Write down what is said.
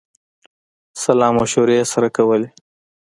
سلامشورې یې سره کولې.